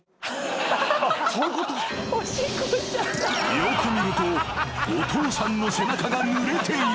［よく見るとお父さんの背中がぬれている］